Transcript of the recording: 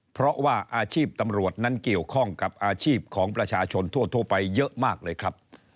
เพราะว่าอาชีพตำรวจนั้นเกี่ยวข้องกับอาชีพของประชาชนทั่วไปเยอะมากเลยครับ